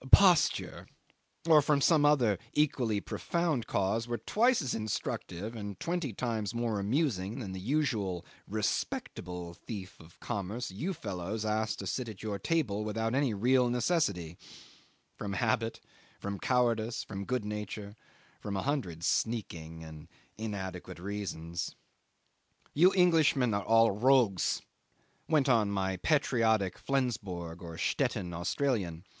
posture, or from some other equally profound cause, were twice as instructive and twenty times more amusing than the usual respectable thief of commerce you fellows ask to sit at your table without any real necessity from habit, from cowardice, from good nature, from a hundred sneaking and inadequate reasons. '"You Englishmen are all rogues," went on my patriotic Flensborg or Stettin Australian.